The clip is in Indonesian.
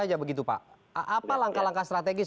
apa langkah langkah strategis